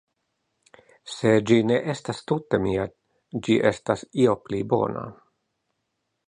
Se ĝi ne estas tute mia ĝi estas io pli bona.